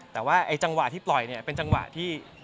แต่ว่าไอ้จังหวะที่ปล่อยเนี่ยเป็นจังหวะที่